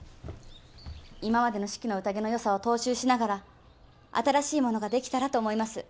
今までの「四季の宴」のよさを踏襲しながら新しいものができたらと思います。